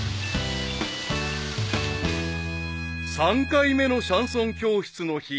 ［３回目のシャンソン教室の日］